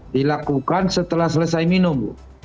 dilakukan setelah selesai minum